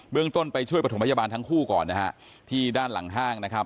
เรื่องต้นไปช่วยประถมพยาบาลทั้งคู่ก่อนนะฮะที่ด้านหลังห้างนะครับ